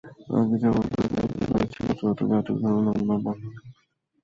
আগে যাওয়ার প্রতিযোগিতা তো রয়েছেই, যত্রতত্র যাত্রী ওঠানো নামানোও বন্ধ নেই।